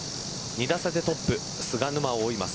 ２打差でトップ菅沼を追います